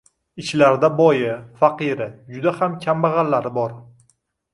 Ichlarida boyi, faqiri, juda ham kambag'allari bor.